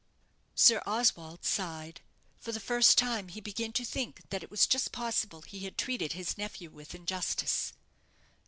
Sir Oswald sighed. For the first time he began to think that it was just possible he had treated his nephew with injustice.